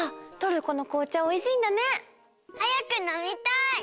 はやくのみたい！